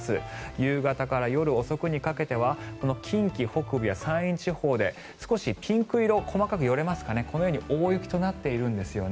夕方から夜遅くにかけては近畿北部や山陰地方で少しピンク色細かく寄れますかねこのように大雪となっているんですよね。